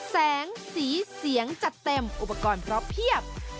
แสงสีเสียงจัดเต็มอุปกรณ์เพราะเพียบ